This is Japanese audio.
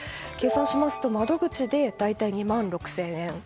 計算しますと窓口で大体２万６０００円。